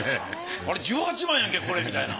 あれ１８万やんけこれみたいな。